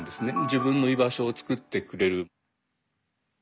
自分の居場所を作ってくれる。